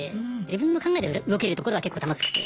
自分の考えで動けるところは結構楽しくて。